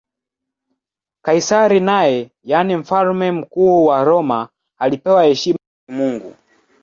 Kaisari naye, yaani Mfalme Mkuu wa Roma, alipewa heshima ya kimungu.